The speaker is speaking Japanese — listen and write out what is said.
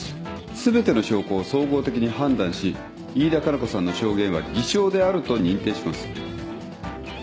全ての証拠を総合的に判断し飯田加奈子さんの証言は偽証であると認定します。